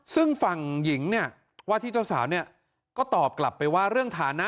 ซึ่งฝั่งหญิงเนี่ยว่าที่เจ้าสาวเนี่ยก็ตอบกลับไปว่าเรื่องฐานะ